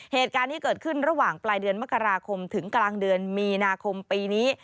เหตุการณ์ที่เกิดขึ้นระหว่างปลายเดือนมกราคมถึงกลางเดือนมีนาคมปีนี้